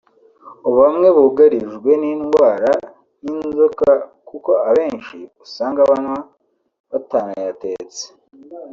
ubu bamwe bugarijwe n’indwara nk’inzoka kuko abenshi usanga banywa batanayatetse”